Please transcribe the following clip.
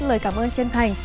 lời cảm ơn chân thành